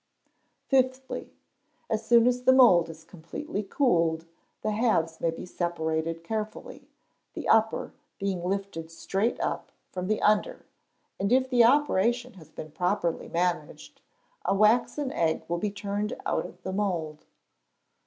Fifthly. As soon as the mould is completely cooled, the halves may be separated carefully, the upper being lifted straight up from the under, and if the operation has been properly managed, a waxen egg will be turned out of the mould.